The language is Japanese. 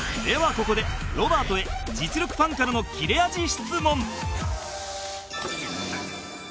ここでロバートへ実力ファンからの切れ味質問